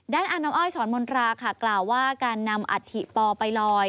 อาน้ำอ้อยสอนมนตราค่ะกล่าวว่าการนำอัฐิปอไปลอย